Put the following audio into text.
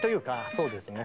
そうですね。